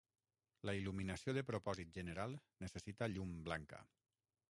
La il·luminació de propòsit general necessita llum blanca.